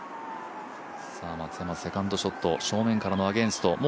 松山、セカンドショット正面からのアゲンスト。